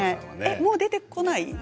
もう出てこない？